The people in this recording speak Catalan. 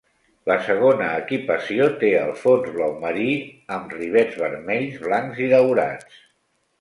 La segona equipació té el fons blau marí, amb rivets vermells, blancs i daurats.